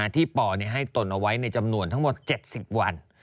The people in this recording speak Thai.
ที่ปให้ตนเอาไว้ในจำนวนทั้งหมด๗๐วัน